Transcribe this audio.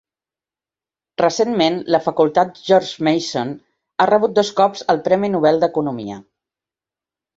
Recentment, la facultat George Mason ha rebut dos cops el Premi Nobel d'Economia.